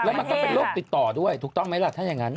แล้วมันก็เป็นโรคติดต่อด้วยถูกต้องไหมล่ะถ้าอย่างนั้น